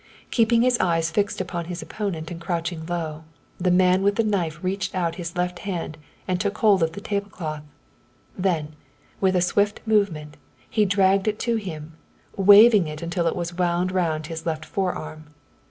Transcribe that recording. Keeping his eyes fixed upon his opponent and crouching low, the man with the knife reached out his left hand and took hold of the tablecloth; then, with a swift movement, he dragged it to him, waving it until it was wound round his left forearm.